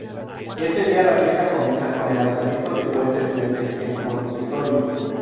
Ese día la fiesta comienza con el lanzamiento de cohetes desde el consistorio.